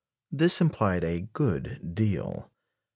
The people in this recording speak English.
This implied a good deal.